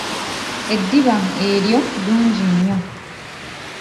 Eddiba eryo ddungi nnyo.